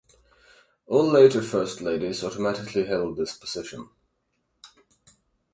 All later First Ladies automatically held this position.